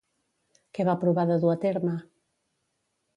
Què va provar de dur a terme?